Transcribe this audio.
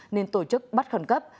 nên tổ chức bắt khẩn cấp